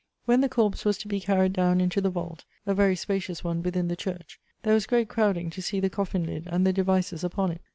When the corpse was to be carried down into the vault, (a very spacious one, within the church,) there was great crowding to see the coffin lid, and the devices upon it.